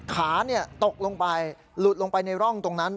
ขาตกลงไปหลุดลงไปในร่องตรงนั้น